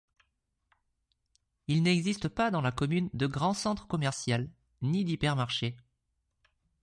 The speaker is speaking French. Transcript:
Il n'existe pas dans la commune de grand centre commercial, ni d'hypermarché.